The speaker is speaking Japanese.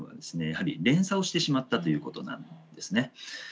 やはり連鎖をしてしまったということなんですね。